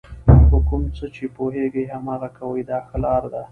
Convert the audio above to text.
په کوم څه چې پوهېږئ هماغه کوئ دا ښه لار ده.